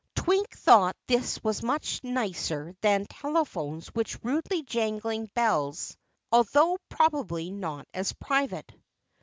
Twink thought this was much nicer than telephones which rudely jangling bells, although probably not as private.